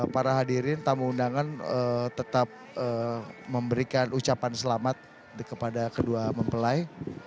para hadirin tamu undangan tetap memberikan ucapan selamat kepada kedua mempelai